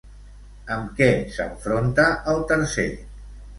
Amb què s'enfronta el tercer?